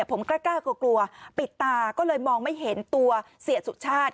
ผมกล้ากลัวกลัวปิดตาก็เลยมองไม่เห็นตัวเสียสุชาติ